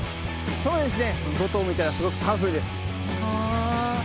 そうですね。